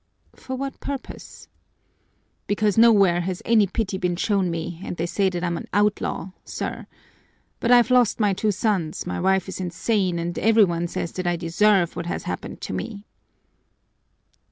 "For what purpose?" "Because nowhere has any pity been shown me and they say that I'm an outlaw, sir. But I've lost my two sons, my wife is insane, and every one says that I deserve what has happened to me."